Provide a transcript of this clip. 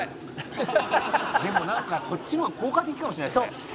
「でもなんかこっちの方が効果的かもしれないですね」